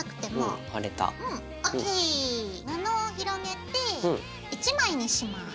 布を広げて１枚にします。